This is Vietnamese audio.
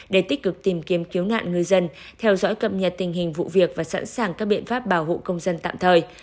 để tích cực tìm kiếm cứu nạn ngư dân theo dõi cập nhật tình hình vụ việc và sẵn sàng các biện pháp bảo hộ công dân tạm thời